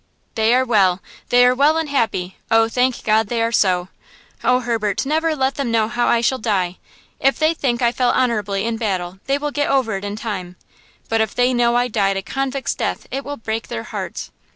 "They are well! They are well and happy! Oh, thank God they are so. Oh, Herbert, never let them know how I shall die! If they think I fell honorably in battle, they will get over it in time, but if they know I died a convict's death it will break their hearts.